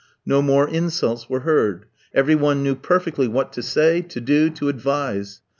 No more insults were heard. Every one knew perfectly what to say, to do, to advise.